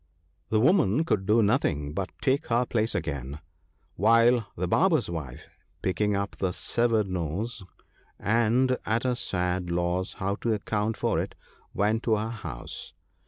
The woman could do nothing but take her place again, while the Barber's wife, picking up the severed nose, and at a sad loss how to account for it, went to her house.